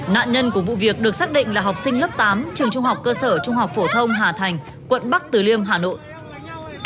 nạn nhân của vụ việc được xác định là học sinh lớp tám trường trung học cơ sở trung học phổ thông hà thành quận bắc từ liêm hà nội